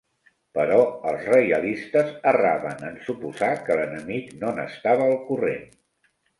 Però els reialistes erraven en suposar que l'enemic no n'estava al corrent.